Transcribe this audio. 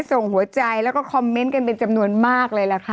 ส่งหัวใจแล้วก็คอมเมนต์กันเป็นจำนวนมากเลยล่ะค่ะ